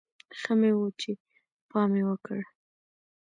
ښه مې و چې پام مې وکړ.